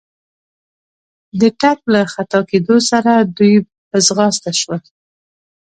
د ټک له خطا کېدو سره دوی په ځغستا شول.